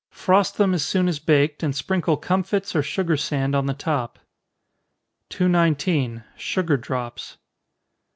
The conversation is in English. Frost them as soon as baked, and sprinkle comfits or sugar sand on the top. 219. _Sugar Drops.